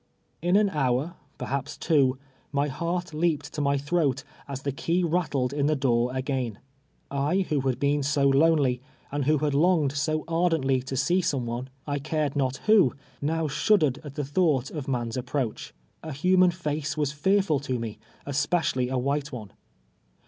In an hour, perhaps two, my heart leaped to my thi"i>at, as the key rattled in the door again. I, who had heen s > lone\v, and Avho liad longe<I so ar dently to see some one, I cared not who, now sliud dered at tlie thought of man's appniach. A human face v/as fuarful to me, especially a white one.